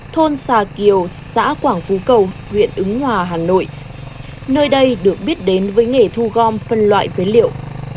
thôn xà kiều xã quảng phú cầu huyện ứng hòa hà nội nơi đây được biết đến với nghề thu gom phân loại phế liệu